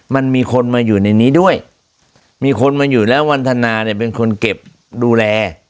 มันมีคนมาอยู่ในนี้ด้วยมีคนมาอยู่แล้ววันทนาเนี่ยเป็นคนเก็บดูแล